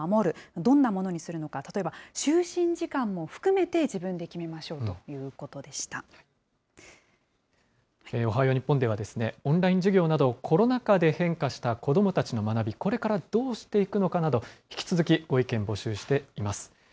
どんなものにするのか、例えば、就寝時間も含めて自分でおはよう日本では、オンライン授業など、コロナ禍で変化した子どもたちの学び、これからどうしていくのかなど、引き続きご意見募集しています。